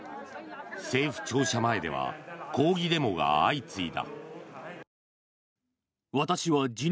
政府庁舎前では抗議デモが相次いだ。